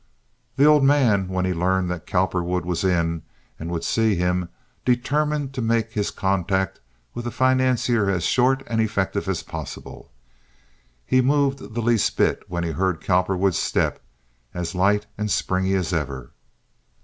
The old man, when he learned that Cowperwood was in and would see him, determined to make his contact with the financier as short and effective as possible. He moved the least bit when he heard Cowperwood's step, as light and springy as ever.